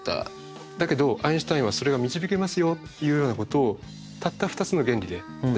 だけどアインシュタインはそれが導けますよというようなことをたった２つの原理で出してしまった。